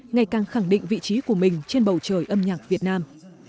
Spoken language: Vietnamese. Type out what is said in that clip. ngày càng khẳng định vị trí của mình trên bầu trời âm nhạc việt nam